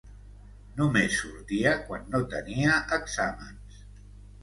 Només sortia quan no tenia exàmens.